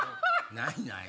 ないない。